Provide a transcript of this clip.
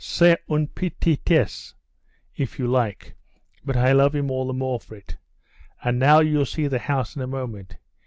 C'est une petitesse, if you like, but I love him all the more for it. And now you'll see the house in a moment.